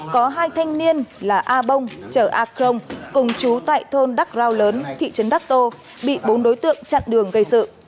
có hai thanh niên là a bông chở a crong cùng chú tại thôn đắc rau lớn thị trấn đắc tô bị bốn đối tượng chặn đường gây sự